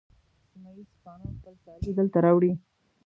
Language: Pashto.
سیمه ییز شپانه خپل څاروي دلته راوړي.